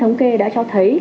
thống kê đã cho thấy